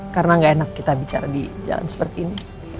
karena tidak enak kita bicara di jalan seperti ini